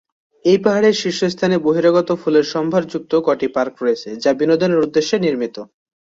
এই পাহাড়ের শীর্ষস্থানে বহিরাগত ফুলের সম্ভার যুক্ত কটি পার্ক রয়েছে, যা বিনোদনের উদ্দেশ্যে নির্মিত।